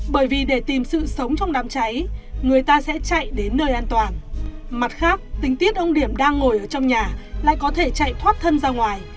bởi vì để tìm sự sống trong đám cháy người ta sẽ chạy đến nơi an toàn mặt khác tình tiết ông điểm đang ngồi ở trong nhà lại có thể chạy thoát thân ra ngoài